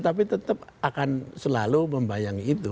tapi tetap akan selalu membayangi itu